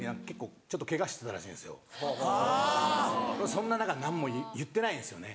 そんな中何も言ってないんですよね。